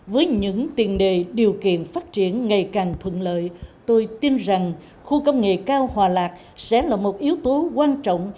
với những tiền đề điều kiện phát triển ngày càng thuận lợi tôi tin rằng khu công nghệ cao hòa lạc sẽ là một yếu tố quan trọng